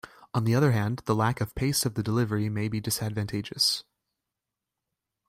On the other hand, the lack of pace of the delivery may be disadvantageous.